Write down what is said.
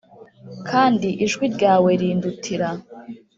Kandi ijwi ryawe, rindutira,